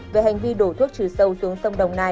về hành vi đổ thuốc trừ sâu xuống sông đồng nai